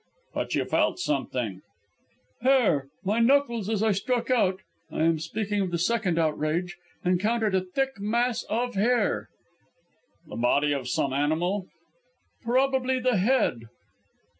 "But you felt something?" "Hair; my knuckles, as I struck out I am speaking of the second outrage encountered a thick mass of hair." "The body of some animal?" "Probably the head."